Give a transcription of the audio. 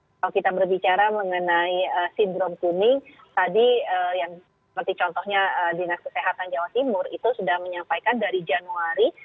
kalau kita berbicara mengenai sindrom kuning tadi yang seperti contohnya dinas kesehatan jawa timur itu sudah menyampaikan dari januari